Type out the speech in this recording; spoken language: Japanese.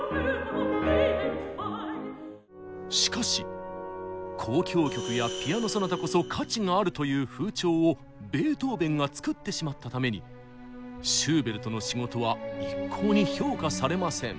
しかし「交響曲やピアノ・ソナタこそ価値がある」という風潮をベートーベンがつくってしまったためにシューベルトの仕事は一向に評価されません。